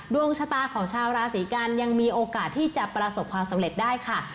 ดวงชะตาของชาวราศีกันยังมีโอกาสที่จะประสบความสำเร็จได้ค่ะ